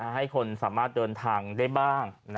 ให้คนสามารถเดินทางได้บ้าง